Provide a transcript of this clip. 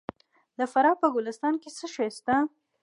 د فراه په ګلستان کې څه شی شته؟